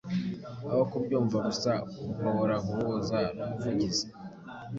aho kubyumva gua, uhobora guhuza numuvugizi